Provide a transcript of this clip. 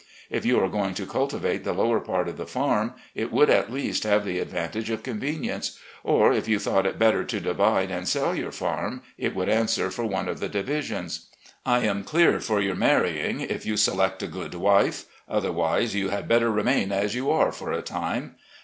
If you are going to cultivate the lower part of the farm, it would at least have the advantage of convenience, or if you thought it better to divide and sell your farm it would answer for one of the divisions. I am clear for your mar rying, if you select a good wife ; otherwise you had better remain as you are for a time.